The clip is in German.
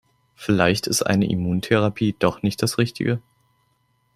Vielleicht ist eine Immuntherapie doch nicht das Richtige.